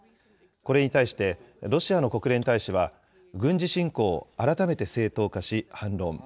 これに対して、ロシアの国連大使は、軍事侵攻を改めて正当化し、反論。